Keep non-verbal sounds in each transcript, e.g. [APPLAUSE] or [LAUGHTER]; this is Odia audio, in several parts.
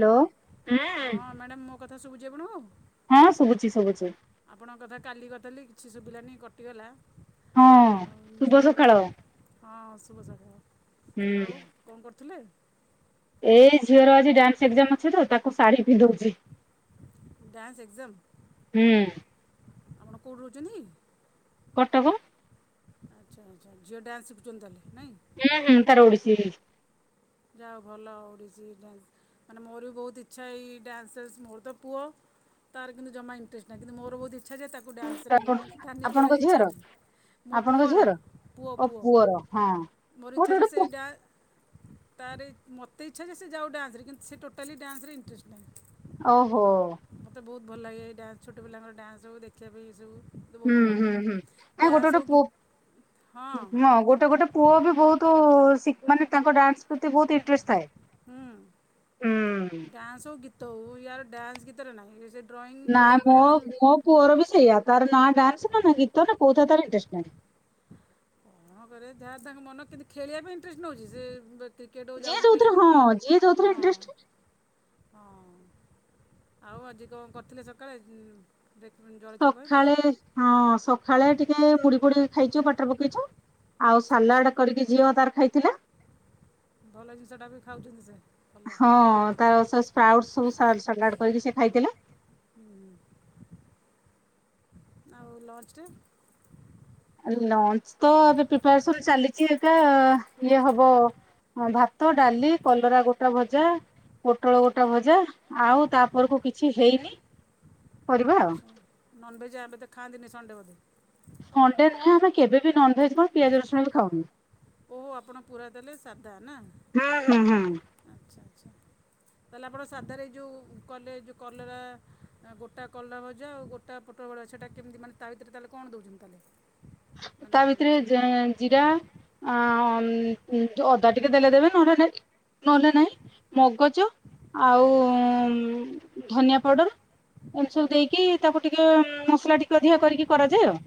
ହାଲୋ। ହଁ ମ୍ୟାଡାମ ମୋ କଥା ଶୁଭୁଚି ଆପଣଙ୍କୁ? ହଁ ଶୁଭୁଛି ଶୁଭୁଛି। ଆପଣଙ୍କ କଥା କାଲି କଥା ହେଲି କିଛି ଶୁଭିଲାନି କଟିଗଲା। ହଁ ଆଉ ଯେ ଶୁଭ ସକାଳ। ହଁ ଶୁଭ ସକାଳ ହୁଁ। ଆଉ। କଣ କରୁଥିଲେ? ଏଇ ଝିଅର ଆଜି ଡ୍ୟାନ୍ସ ଏକ୍ଜାମ ଅଛି ତ ତାକୁ ଶାଢୀ ପିନ୍ଧଉଛି। Dance exam. ହୁଁ ଆପଣ କଉଠି ରହୁଛନ୍ତି? କଟକ। ଆଚ୍ଛା ଆଚ୍ଛା ଝିଅ ଡ୍ୟାନ୍ସ ଶିଖୁଛନ୍ତି ତାହେଲେ ନାଇଁ। ହୁଁ ହୁଁ ତାର ଓଡ଼ିଶୀ। ଯାହା ହଉ ଭଲ ଓଡ଼ିଶୀ ଡ୍ୟାନ୍ସ ମାନେ ମୋର ବି ବହୁତ ଇଚ୍ଛା ଏଇ ଡ୍ୟାନ୍ସେସ ମୋର ତ ପୁଅ। ତାର କିନ୍ତୁ ଜମା ଇଣ୍ଟରେଷ୍ଟ ନାହିଁ କିନ୍ତୁ ମୋର ବହୁତ ଇଚ୍ଛା ଯେ ତାକୁ ଡ୍ୟାନ୍ସରେ ଇଏ କରୁ କିନ୍ତୁ ତା ନିଜର ଆପଣଙ୍କ ଇଚ୍ଛା ଝିଅର ନାହିଁ। ମୋ ଆପଣଙ୍କ ପୁଅର ଝିଅର ପୁଅ ଓ ପୁଅ ପୁଅର ହଁ ମୋର ଇଚ୍ଛା ଗୋଟେ ଯେ ଗୋଟେ ସେଇ ପୁ ଡ୍ୟା ତାର ଇ ମୋତେ ଇଚ୍ଛା ଯେ ସେ ଯାଉ ଡ୍ୟାନ୍ସରେ କିନ୍ତୁ ସେ ଟୋଟାଲି ଡ୍ୟାନ୍ସରେ ଇଣ୍ଟରେଷ୍ଟ ନାହିଁ। ଓହୋ। ମୋତେ ବହୁତ ଭଲ ଲାଗେ ଡ୍ୟାନ୍ସ ଛୋଟ ପିଲାଙ୍କର ଡ୍ୟାନ୍ସ ହଉ ଦେଖିବା ପାଇଁ ସବୁ।। ହୁଁ ହୁଁ ହୁଁ ଆ ଗୋଟେ ଗୋଟେ ପୁଅ ଗୀତ ହଁ ଗୋଟେ ଗୋଟେ। ପୁଅ ବି ବହୁତ ସି ମାନେ ତାଙ୍କ ଡ୍ୟାନ୍ସ ପ୍ରତି ବହୁତ ଇଣ୍ଟରେଷ୍ଟ ଥାଏ। ହୁଁ ହୁଁ। ଡ୍ୟାନ୍ସ ହଉ ଗୀତ ହଉ ୟାର ଡ୍ୟାନ୍ସ, ଗୀତରେ ନାହିଁ ସେ। ଡ୍ରଇଂ ନା ଖେଳ ମୋ ଖେଳିବ କିନ୍ତୁ। ମୋ ପୁଅର ବି ସେଇଆ ତାର ନା ଡ୍ୟାନ୍ସ ନା ନା ଗୀତ ନା କୋଉଥିରେ ତାର ଇଣ୍ଟରେଶ୍ଟ ନାହିଁ। କଣ କରେ ଯାହା ତାଙ୍କ ମନ କିନ୍ତୁ ଖେଳିବା ପାଇଁ ଇଣ୍ଟରେଷ୍ଟ ନେଉଛି ସେ କ୍ରିକେଟ୍ ହଉ ଯିଏ ଯାଉଛି ଖେଳିବା ଯୋଉଥିରେ ପାଇଁ ହଁ ଯିଏ ଯୋଉଥିରେ ହଁ। ଇଣ୍ଟରେଷ୍ଟ ହଁ ଆଉ ଆଜି କଣ କରିଥିଲେ ସକାଳେ ଦେଖିବେନି ଯ - ସକାଳେ ହଁ ସକାଳେ ଟିକେ ମୁଢ଼ି ଫୁଢି ଖାଇଛୁ ପାଟିରେ ପକେଇଛୁ ଆଉ ଆଚ୍ଛା ସାଲାଡ କରିକି ଝିଅ ତାର ଖାଇଥିଲା ଭଲ ଜିନଷ ଟା ବି ଖାଉଛନ୍ତି ସେ ଭଲ ହଁ ତାର ସେ ସ୍ପାଉଟ ସବୁ ସା ସାଲାଡ କରିକି ସେ ଖାଇଥିଲେ ହୁଁ ଆଉ ଲଞ୍ଚରେ ଆଉ ଲଞ୍ଚ ତ ଏବେ ପ୍ରିପାରେସନ୍ ଚାଲିଛି ଦେଖିଆ ଇଏ ହବ ହଁ ଭାତ ଡାଲି କଲରା ଗୋଟା ଭଜା ପୋଟଳ ଗୋଟା ଭଜା ଆଉ ତାପରକୁ କିଛି ହେଇନି କରିବା ଆଉ ଆଚ୍ଛା ନନଭେଜ୍ ଏବେ ତ ଖାଆନ୍ତିନି ସଣ୍ଡେ ବୋଧେ ଖଣ୍ଡେ ଖା ଆମେ କେବେ ବି ନନଭେଜ୍ କଣ ପିଆଜ ରସୁଣ ବି ଖାଉନୁ। ଓ ହ ଆପଣ ପୁରା ତା ହେଲେ ସାଧା ନା ହୁଁ ହୁଁ ହୁଁ। ଆଚ୍ଛା ଆଚ୍ଛା ତାହେଲେ ଆପଣ ସାଧାରେ ଏଇ ଯୋଉ କଲେ ଯୋଉ କଲରା ଗୋଟା କଲରା ଭଜା ଆଉ ଗୋଟା ପୋ ପ୍ରବଳଛଟା କେମିତି ମାନେ ତା ଭିତରେ ତାହେଲେ କଣ ଦଉଛନ୍ତି ତାଲେ ତା ଭିତରେ ଯେ ଜିରା ଅଦା ଟିକେ ଦେଲେ ଦେବେ ନହେଲେ ନାହିଁ ନହେଲେ ନାହିଁ ମଗଜ ଆଉ ଧନିଆ ପାଉଡ଼ର ଏମିତି ହଁ ସବୁ ଦେଇକି ତାକୁ ଟିକେ ମସଲା ଟିକିଏ ଅଧିକା କରିକି କରାଯାଏ ଆଉ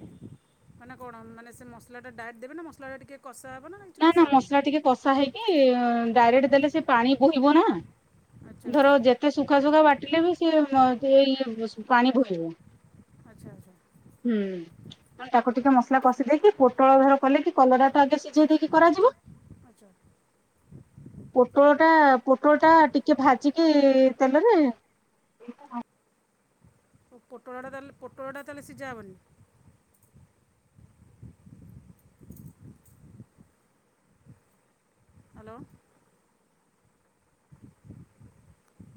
ମାନେ କଣ ମାନେ ସେ ମସଲାଟା ଡାଇରେକ୍ଟ ଦେବେ ନା ମସଲାଟା ଟିକେ କଷା ହେବ ନା କିଛି କଷା ହେବନି ଟିକେ କଷା ହେଇ କି ଡାଇରେକ୍ଟ ଦେଲେ ସେ ପାଣି ବୋହିବ ନା ଆଚ୍ଛା ଆଚ୍ଛା ଧର ଯେତେ ସୁଖା ସୁୁଖା ବା ଟିଲେ ବି ସେ ଦେଇ ପାଣି ବୋହିବ ଆଚ୍ଛା ଆଚ୍ଛା ହୁଁ ତାକୁ ଟିକେ ମସଲା କଷି ଦେଇକି ପୋଟଳ ଘର କଲେ କି କଲରାଟା ଆଜି ସି ଜେଇ ଦେଇକି କରାଯିବ ଆଚ୍ଛା ପୋଟଳ ଟା ପୋଟଳ ଟା ଟିକେ ଭାଜିକି ତେଲରେ [INAUDIBLE] ଓ ପୋଟଳଟା ତାହେଲେ ପୋଟଳଟା ତାହେଲେ ସିଝା ହେବନି hello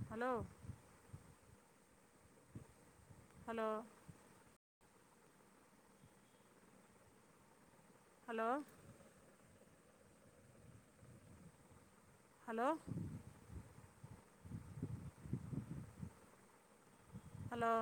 hello hello hello hello hello